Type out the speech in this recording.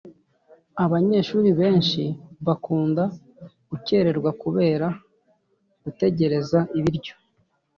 Abanyeshuri benshi bakunda gucyererwa kubera gutegereza ibiryo